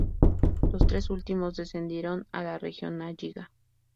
Los tres últimos descendieron a la Regionalliga.